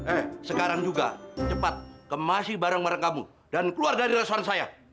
eh sekarang juga cepat kemasi bareng bareng kamu dan keluar dari restoran saya